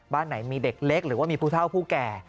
บ้านไหนมีเด็กเล็กหรือว่ามีผู้เท่าผู้แก่